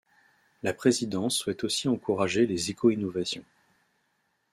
La présidence souhaite aussi encourager les éco-innovations.